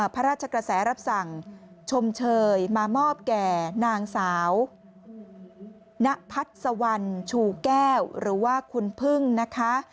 พระราชกระแสรับสั่งชมเชยมามอบแก่นางสาวณพัดสวรรณชูแก้วหรือว่าคุณพึ่งนะคะ